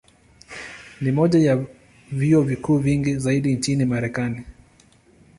Ni moja ya vyuo vikuu vingi zaidi nchini Marekani.